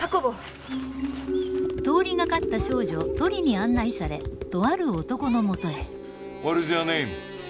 通りがかった少女トリに案内されとある男のもとへ。